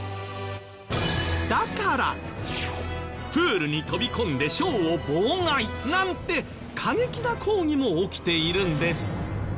だからプールに飛び込んでショーを妨害なんて過激な抗議も起きているんです。